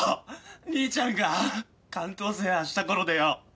兄ちゃんが関東制覇したころでよ。